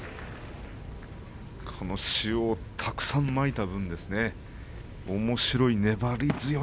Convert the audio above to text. この塩をたくさんまいた分おもしろい粘り強い